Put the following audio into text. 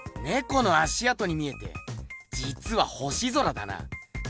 この足あとに見えてじつは星空だな。